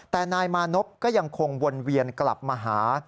แต่นายมานพก็ยังคงวนเวียนกลับมาหา